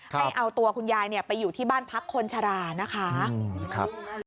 ให้เอาตัวคุณยายไปอยู่ที่บ้านพักคนชรานะคะ